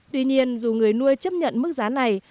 tuy nhiên dù người nuôi chấp nhận mức giá này